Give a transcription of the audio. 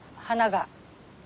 花が。